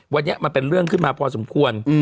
วันนี้มันเป็นเรื่องขึ้นมาพอสมควร